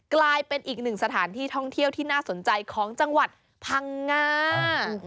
กลายเป็นอีกหนึ่งสถานที่ท่องเที่ยวที่น่าสนใจของจังหวัดพังงา